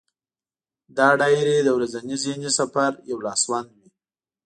دا ډایري د ورځني ذهني سفر یو لاسوند وي.